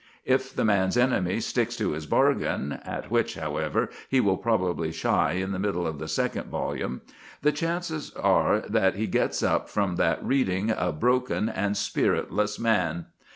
If the man's enemy sticks to his bargain at which, however, he will probably shy in the middle of the second volume the chances are that he gets up from that reading a broken and spiritless man.